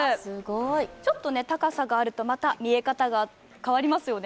ちょっと高さがあると、また見え方が変わりますよね。